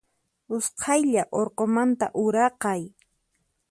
Usqaylla urqumanta uraqay.